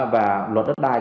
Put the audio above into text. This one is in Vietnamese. và luật đất đai